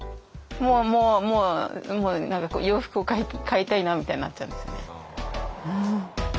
もうもうもうもう洋服を替えたいなみたいになっちゃうんですよね。